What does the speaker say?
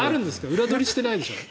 裏取りしてないでしょ。